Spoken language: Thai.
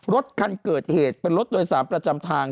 รถคันเกิดเหตุเป็นรถโดยสารประจำทาง